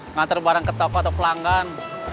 ngantar barang ke toko atau pelanggan